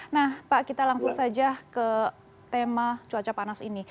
nah pak kita langsung saja ke tema cuaca panas ini